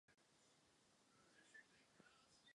Druhý název nese velké město na jihu Norska.